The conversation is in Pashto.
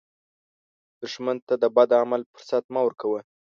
دښمن ته د بد عمل فرصت مه ورکوه